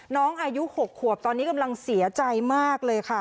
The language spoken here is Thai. อายุ๖ขวบตอนนี้กำลังเสียใจมากเลยค่ะ